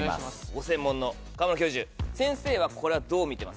ご専門の川村教授先生はこれはどう見てますか？